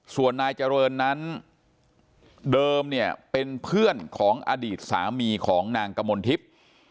ส่วนนายเจริญนั้นเดิมเนี่ยเป็นเพื่อนของอดีตสามีของนางกมลทิพย์